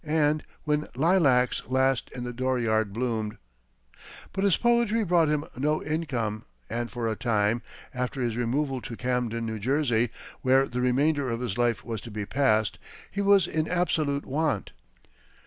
and "When Lilacs last in the Dooryard Bloom'd." But his poetry brought him no income and, for a time, after his removal to Camden, New Jersey, where the remainder of his life was to be passed, he was in absolute want.